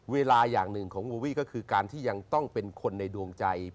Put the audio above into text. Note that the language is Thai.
เวลาอย่างหนึ่งของโววี่ก็คือการที่ยังต้องเป็นคนในดวงใจ